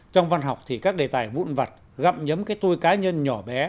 trong văn học thì các đề tài vụn vặt gặm nhấm cái tôi cá nhân nhỏ bé